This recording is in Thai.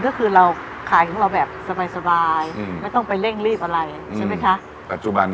ก็คือเราขายของเราแบบสบาย